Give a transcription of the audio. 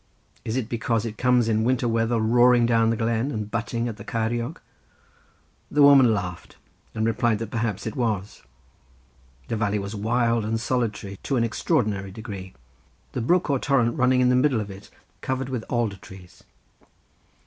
"Is it because it comes in winter weather roaring down the glen and butting at the Ceiriog?" The woman laughed, and replied that perhaps it was. The valley was wild and solitary to an extraordinary degree, the brook or torrent running in the middle of it covered with alder trees.